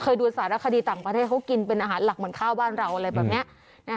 ดูสารคดีต่างประเทศเขากินเป็นอาหารหลักเหมือนข้าวบ้านเราอะไรแบบนี้